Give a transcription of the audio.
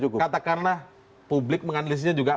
kata karena publik menganalisisnya juga